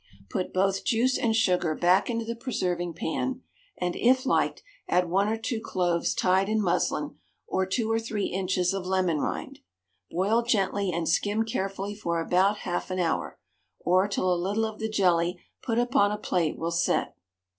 Put both juice and sugar back into the preserving pan, and, if liked, add one or two cloves tied in muslin, or two or three inches of lemon rind. Boil gently and skim carefully for about half an hour, or till a little of the jelly put upon a plate will set.